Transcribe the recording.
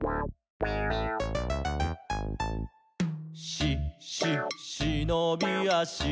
「し・し・しのびあし」